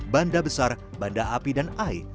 bandar besar bandar api dan air